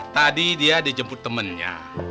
tadi dia dijemput temennya